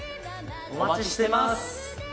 お待ちしてます